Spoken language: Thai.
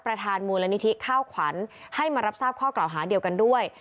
ประธานมูลนิธิข้าวขวัญให้มารับทราบข้อกล่าวหาเดียวกันด้วย